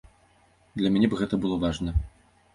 Для мяне б гэта было важна.